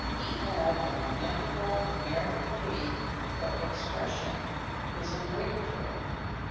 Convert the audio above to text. He had the lamentable American belief that "expression" is obligatory.